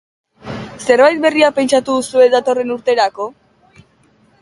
Zerbait berria pentsatu duzue datorren urterako?